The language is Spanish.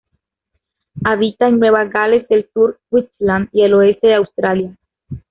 Habita en Nueva Gales del Sur, Queensland, y el oeste de Australia.